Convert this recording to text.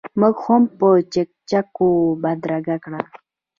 موږ هم په چکچکو بدرګه کړ.